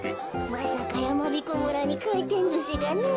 まさかやまびこ村にかいてんずしがねえ。